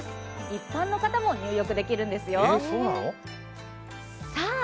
一般の方も入浴できるんですよ。